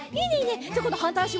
じゃあこんどはんたいあしも。